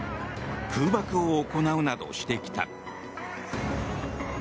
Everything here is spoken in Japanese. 空爆を行うなどしてきた。